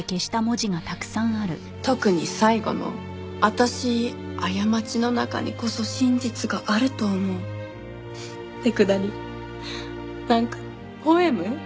特に最後の「あたしあやまちの中にこそ真実があると思う」ってくだりなんかポエム？